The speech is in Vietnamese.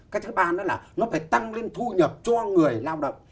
cái thứ ba nữa là nó phải tăng lên thu nhập cho người lao động